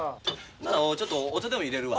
ならちょっとお茶でもいれるわ。